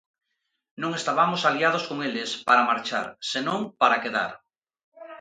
Non estabamos aliados con eles para marchar, senón para quedar!